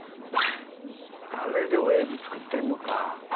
「あれでウェーブ作ってんのか」